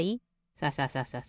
サササササ。